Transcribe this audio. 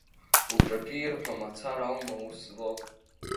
Уҿаҿы ирҳәо мацара аума аус злоу.